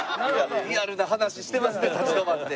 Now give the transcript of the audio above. リアルな話してますね立ち止まって。